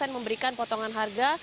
yang memberikan potongan harga